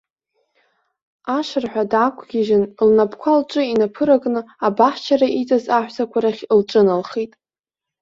Ашырҳәа даақәгьежьын, лнапқәа лҿы инаԥыракны, абаҳчара иҵаз аҳәсақәа рахь лҿыналхеит.